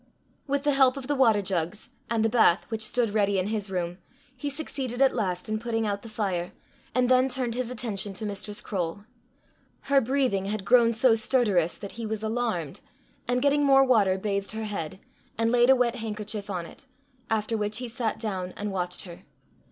With the help of the water jugs, and the bath which stood ready in his room, he succeeded at last in putting out the fire, and then turned his attention to Mistress Croale. Her breathing had grown so stertorous that he was alarmed, and getting more water, bathed her head, and laid a wet handkerchief on it, after which he sat down and watched her.